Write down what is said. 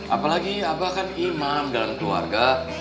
apalagi abah kan imam dalam keluarga